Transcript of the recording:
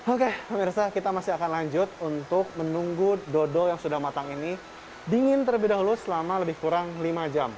oke pemirsa kita masih akan lanjut untuk menunggu dodo yang sudah matang ini dingin terlebih dahulu selama lebih kurang lima jam